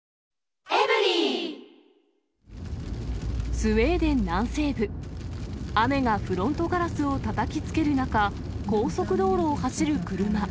スウェーデン南西部、雨がフロントガラスをたたきつける中、高速道路を走る車。